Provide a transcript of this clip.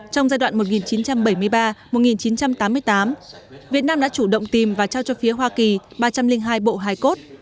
trong giai đoạn một nghìn chín trăm bảy mươi ba một nghìn chín trăm tám mươi tám việt nam đã chủ động tìm và trao cho phía hoa kỳ ba trăm linh hai bộ hài cốt